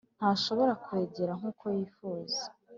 ntashobora kwegera nkuko yifuza.